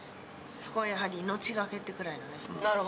そこはやはり命懸けってくらいのね。